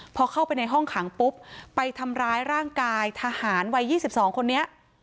พอเข้าไปในห้องขังปุ๊บไปทำร้ายร่างกายทหารวัย๒๒คนนี้